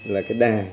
là cái đà